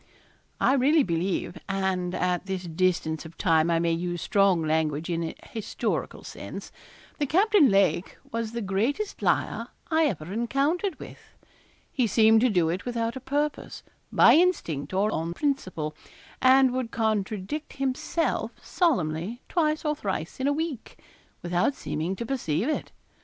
I really believe and at this distance of time I may use strong language in a historical sense that Captain Lake was the greatest liar I ever encountered with. He seemed to do it without a purpose by instinct, or on principle and would contradict himself solemnly twice or thrice in a week, without seeming to perceive it.